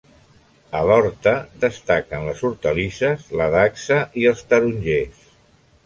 En l'horta, destaquen les hortalisses, la dacsa i els tarongers.